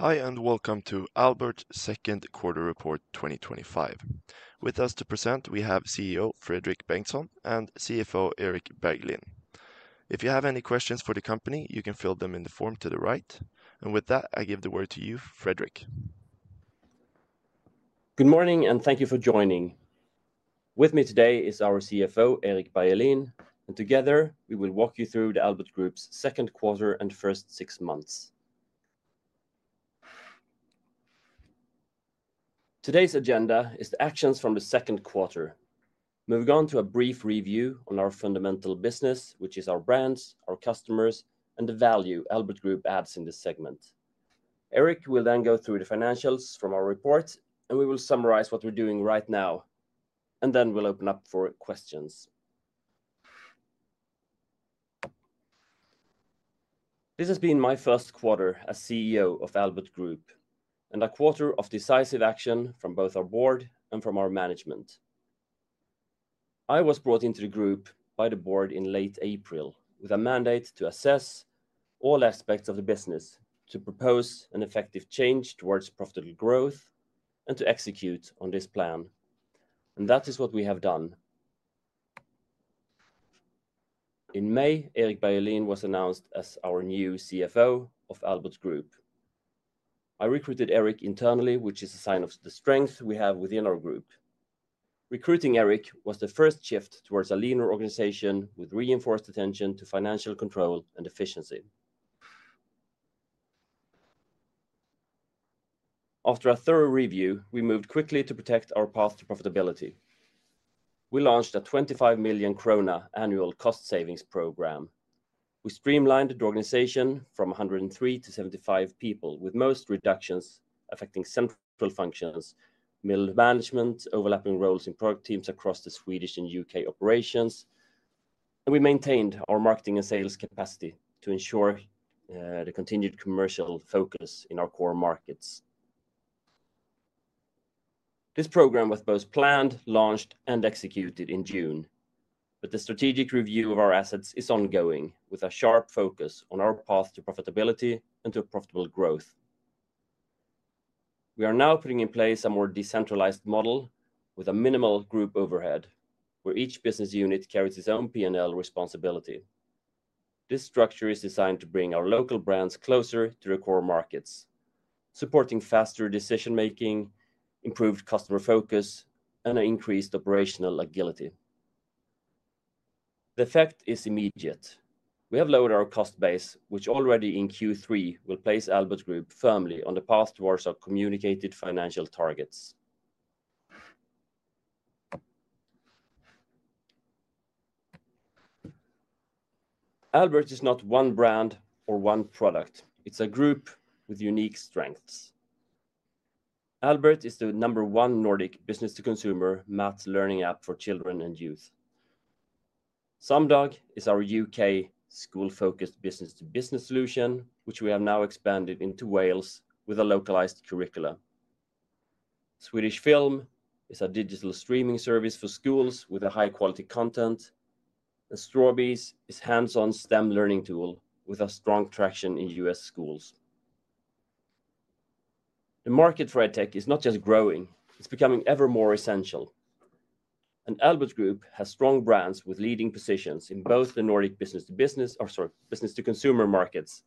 Hi, and welcome to Albert's Second Quarter Report 2025. With us to present, we have CEO Fredrik Bengtsson and CFO Erik Bergelin. If you have any questions for the company, you can fill them in the form to the right. With that, I give the word to you, Fredrik. Good morning, and thank you for joining. With me today is our CFO, Erik Bergelin, and together we will walk you through the Albert Group's second quarter and first six months. Today's agenda is the actions from the second quarter, moving on to a brief review on our fundamental business, which is our brands, our customers, and the value Albert Group adds in this segment. Erik will then go through the financials from our report, and we will summarize what we're doing right now, and then we'll open up for questions. This has been my first quarter as CEO of Albert Group, and a quarter of decisive action from both our board and from our management. I was brought into the group by the board in late April with a mandate to assess all aspects of the business, to propose an effective change towards profitable growth, and to execute on this plan. That is what we have done. In May, Erik Bergelin was announced as our new CFO of Albert Group. I recruited Erik internally, which is a sign of the strength we have within our group. Recruiting Erik was the first shift towards a leaner organization with reinforced attention to financial control and efficiency. After a thorough review, we moved quickly to protect our path to profitability. We launched a 25 million krona annual cost savings program. We streamlined the organization from 103 to 75 people, with most reductions affecting central functions, middle management, overlapping roles in product teams across the Swedish and U.K. operations, and we maintained our marketing and sales capacity to ensure the continued commercial focus in our core markets. This program was both planned, launched, and executed in June. The strategic review of our assets is ongoing, with a sharp focus on our path to profitability and to profitable growth. We are now putting in place a more decentralized model with a minimal group overhead, where each business unit carries its own P&L responsibility. This structure is designed to bring our local brands closer to the core markets, supporting faster decision-making, improved customer focus, and increased operational agility. The effect is immediate. We have lowered our cost base, which already in Q3 will place Albert Group firmly on the path towards our communicated financial targets. Albert is not one brand or one product. It's a group with unique strengths. Albert is the number one Nordic B2C maths learning app for children and youth. Samdog is our UK school-focused B2B solution, which we have now expanded into Wales with a localized curriculum. Swedish Film is a digital streaming service for schools with high-quality content. Strawberries is a hands-on STEM learning tool with strong traction in U.S. schools. The market for EdTech is not just growing, it's becoming ever more essential. Albert Group has strong brands with leading positions in both the Nordic B2C markets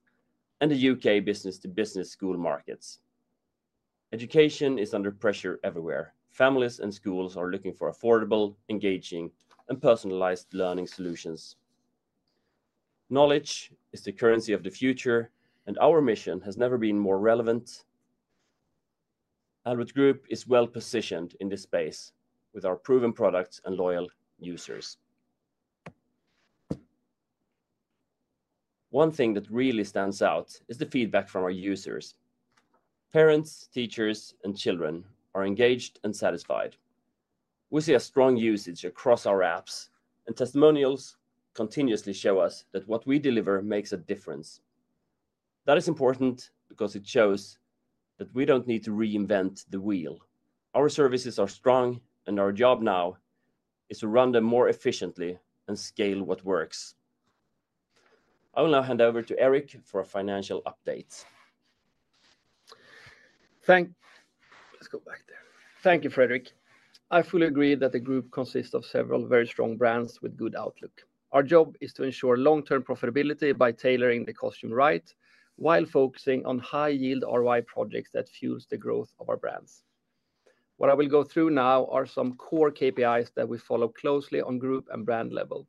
and the UK B2B school markets. Education is under pressure everywhere. Families and schools are looking for affordable, engaging, and personalized learning solutions. Knowledge is the currency of the future, and our mission has never been more relevant. Albert Group is well positioned in this space with our proven products and loyal users. One thing that really stands out is the feedback from our users. Parents, teachers, and children are engaged and satisfied. We see strong usage across our apps, and testimonials continuously show us that what we deliver makes a difference. That is important because it shows that we don't need to reinvent the wheel. Our services are strong, and our job now is to run them more efficiently and scale what works. I will now hand over to Erik for financial updates. Thank you. Let's go back there. Thank you, Fredrik. I fully agree that the group consists of several very strong brands with good outlook. Our job is to ensure long-term profitability by tailoring the costume right while focusing on high-yield ROI projects that fuel the growth of our brands. What I will go through now are some core KPIs that we follow closely on group and brand level: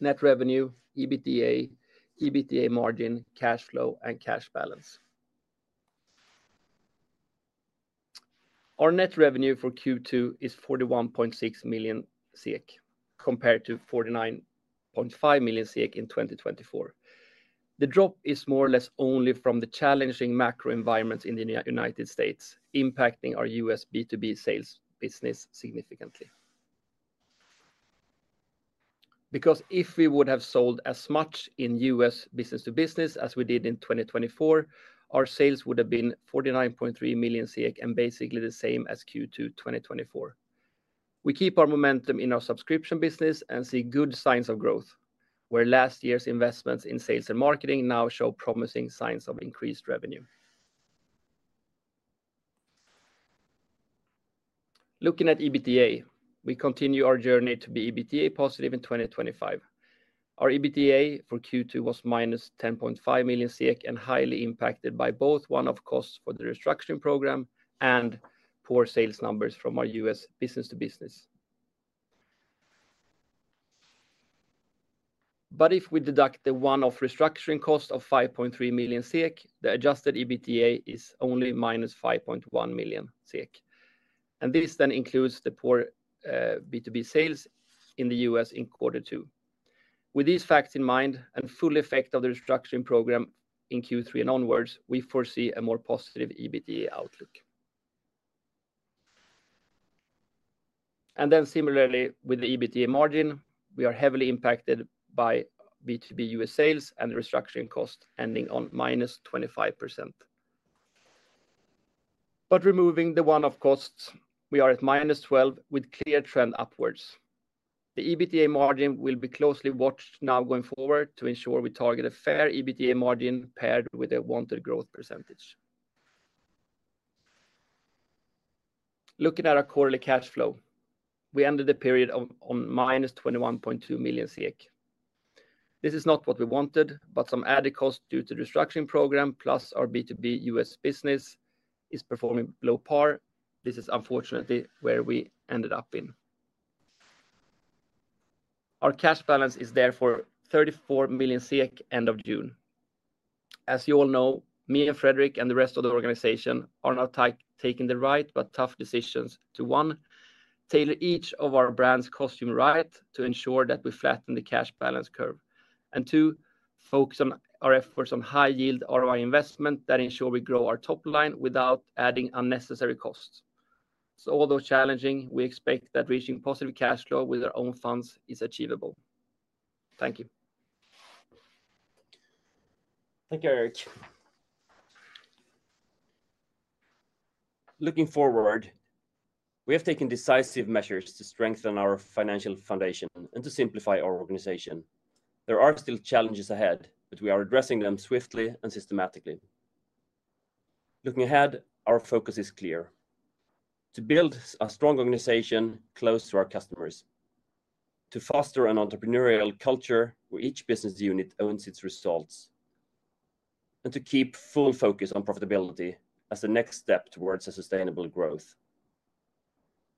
net revenue, EBITDA, EBITDA margin, cash flow, and cash balance. Our net revenue for Q2 is 41.6 million SEK compared to 49.5 million SEK in 2024. The drop is more or less only from the challenging macro environments in the U.S., impacting our U.S. B2B sales business significantly. If we would have sold as much in U.S. business-to-business as we did in 2024, our sales would have been 49.3 million and basically the same as Q2 2024. We keep our momentum in our subscription business and see good signs of growth, where last year's investments in sales and marketing now show promising signs of increased revenue. Looking at EBITDA, we continue our journey to be EBITDA positive in 2025. Our EBITDA for Q2 was -10.5 million and highly impacted by both one-off costs for the restructuring program and poor sales numbers from our U.S. business-to-business. If we deduct the one-off restructuring cost of 5.3 million SEK, the adjusted EBITDA is only -5.1 million SEK. This then includes the poor B2B sales in the U.S. in quarter two. With these facts in mind and full effect of the restructuring program in Q3 and onwards, we foresee a more positive EBITDA outlook. Similarly, with the EBITDA margin, we are heavily impacted by B2B U.S. sales and the restructuring cost ending on minus 25%. Removing the one-off costs, we are at -12% with clear trend upwards. The EBITDA margin will be closely watched now going forward to ensure we target a fair EBITDA margin paired with a wanted growth percentage. Looking at our quarterly cash flow, we ended the period on -21.2 million. This is not what we wanted, but some added costs due to the restructuring program plus our B2B U.S. business is performing below par. This is unfortunately where we ended up in. Our cash balance is therefore 34 million end of June. As you all know, me and Fredrik and the rest of the organization are now taking the right but tough decisions to, one, tailor each of our brands' costume right to ensure that we flatten the cash balance curve, and, two, focus on our efforts on high-yield ROI investment that ensure we grow our top line without adding unnecessary costs. Although challenging, we expect that reaching positive cash flow with our own funds is achievable. Thank you. Thank you, Erik. Looking forward, we have taken decisive measures to strengthen our financial foundation and to simplify our organization. There are still challenges ahead, but we are addressing them swiftly and systematically. Looking ahead, our focus is clear: to build a strong organization close to our customers, to foster an entrepreneurial culture where each business unit owns its results, and to keep full focus on profitability as the next step towards sustainable growth.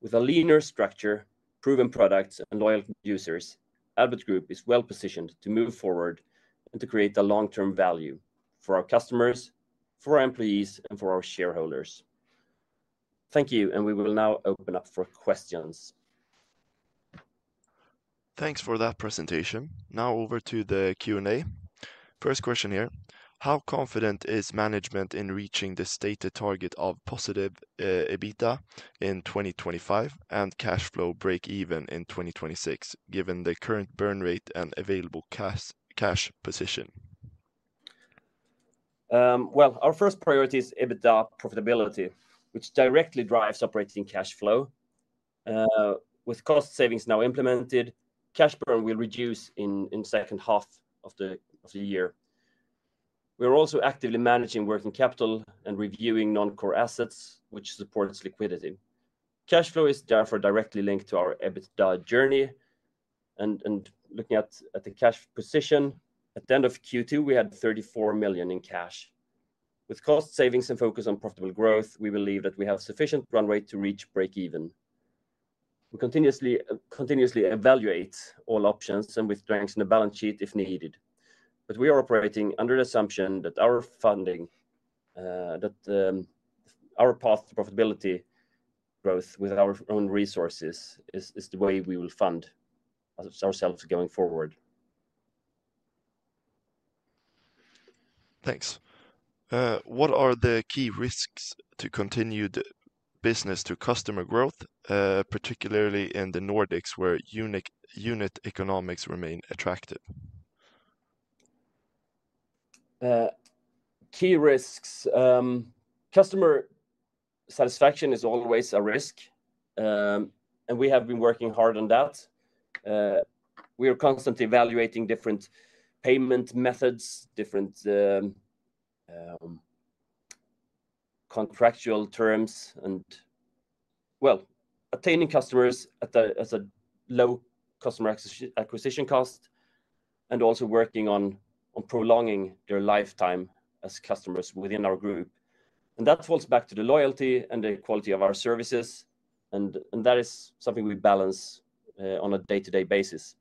With a leaner structure, proven products, and loyal users, Albert Group is well positioned to move forward and to create long-term value for our customers, for our employees, and for our shareholders. Thank you, and we will now open up for questions. Thanks for that presentation. Now over to the Q&A. First question here. How confident is management in reaching the stated target of positive EBITDA in 2025 and cash flow break-even in 2026, given the current burn rate and available cash position? Our first priority is EBITDA profitability, which directly drives operating cash flow. With cost savings now implemented, cash burn will reduce in the second half of the year. We're also actively managing working capital and reviewing non-core assets, which supports liquidity. Cash flow is therefore directly linked to our EBITDA journey. Looking at the cash position, at the end of Q2, we had 34 million in cash. With cost savings and focus on profitable growth, we believe that we have sufficient run rate to reach break-even. We continuously evaluate all options and will strengthen the balance sheet if needed. We are operating under the assumption that our path to profitability growth with our own resources is the way we will fund ourselves going forward. Thanks. What are the key risks to continue the business to customer growth, particularly in the Nordics where unit economics remain attractive? Key risks. Customer satisfaction is always a risk, and we have been working hard on that. We are constantly evaluating different payment methods, different contractual terms, attaining customers at a low customer acquisition cost, and also working on prolonging their lifetime as customers within our group. That falls back to the loyalty and the quality of our services, and that is something we balance on a day-to-day basis.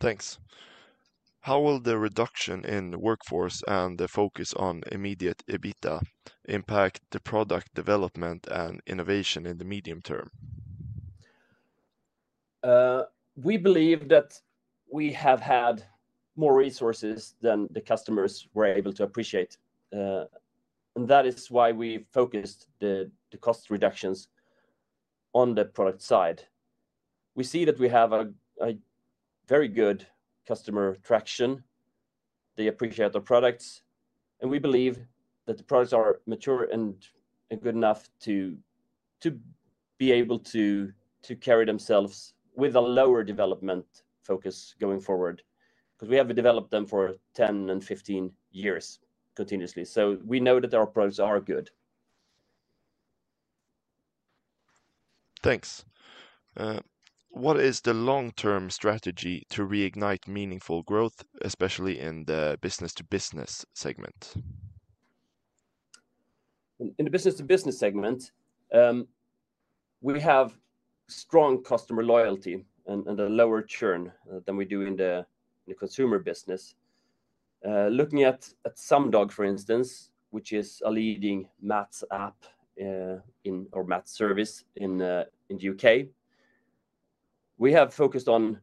Thanks. How will the reduction in workforce and the focus on immediate EBITDA impact the product development and innovation in the medium term? We believe that we have had more resources than the customers were able to appreciate, and that is why we focused the cost reductions on the product side. We see that we have a very good customer traction. They appreciate our products, and we believe that the products are mature and good enough to be able to carry themselves with a lower development focus going forward because we have developed them for 10 and 15 years continuously. We know that our products are good. Thanks. What is the long-term strategy to reignite meaningful growth, especially in the B2B segment? In the B2B segment, we have strong customer loyalty and a lower churn than we do in the consumer business. Looking at Sumdog, for instance, which is a leading maths service in the U.K., we have focused on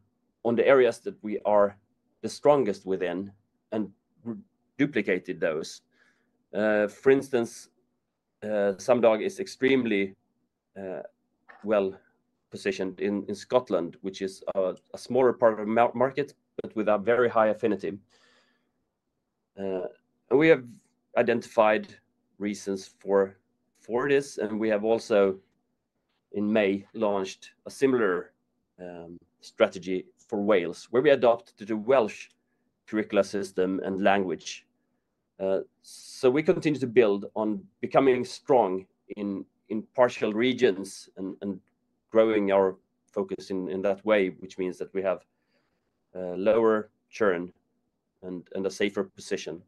the areas that we are the strongest within and duplicated those. For instance, Sumdog is extremely well positioned in Scotland, which is a smaller part of the market but with a very high affinity. We have identified reasons for this, and we have also, in May, launched a similar strategy for Wales, where we adopted the Welsh curricula system and language. We continue to build on becoming strong in partial regions and growing our focus in that way, which means that we have a lower churn and a safer position.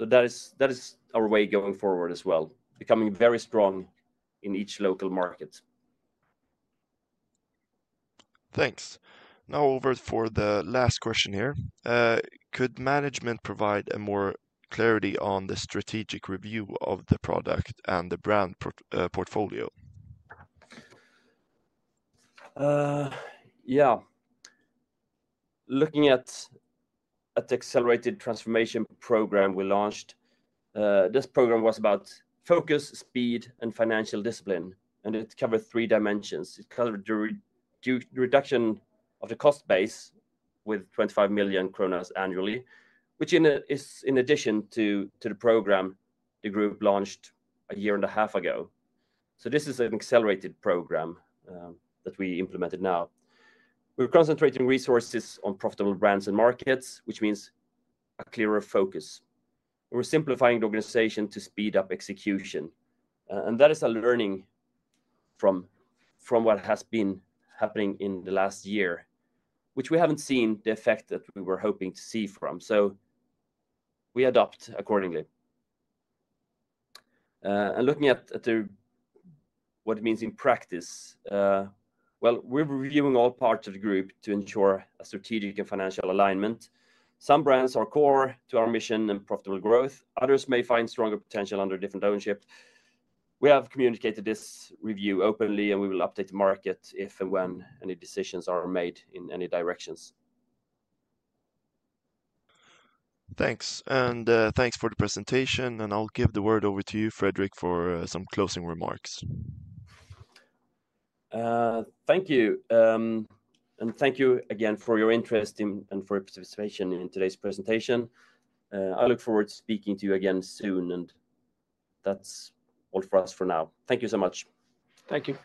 That is our way going forward as well, becoming very strong in each local market. Thanks. Now over for the last question here. Could management provide more clarity on the strategic review of the product and the brand portfolio? Yeah. Looking at the accelerated transformation program we launched, this program was about focus, speed, and financial discipline, and it covered three dimensions. It covered the reduction of the cost base with 25 million kronor annually, which is in addition to the program the group launched a year and a half ago. This is an accelerated program that we implemented now. We're concentrating resources on profitable brands and markets, which means a clearer focus. We're simplifying the organization to speed up execution. That is a learning from what has been happening in the last year, which we haven't seen the effect that we were hoping to see from. We adopt accordingly. Looking at what it means in practice, we're reviewing all parts of the group to ensure a strategic and financial alignment. Some brands are core to our mission and profitable growth. Others may find stronger potential under different ownership. We have communicated this review openly, and we will update the market if and when any decisions are made in any directions. Thanks. Thanks for the presentation. I'll give the word over to you, Fredrik, for some closing remarks. Thank you. Thank you again for your interest and for your participation in today's presentation. I look forward to speaking to you again soon. That's all for us for now. Thank you so much. Thank you.